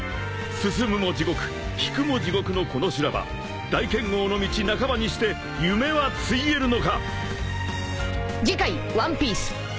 ［進むも地獄引くも地獄のこの修羅場大剣豪の道半ばにして夢はついえるのか！？］